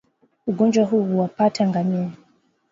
Ugonjwa huu huwapata ngamia